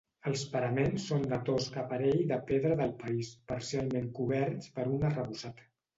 Els paraments són de tosc aparell de pedra del país, parcialment coberts per un arrebossat.